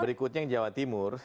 berikutnya yang jawa timur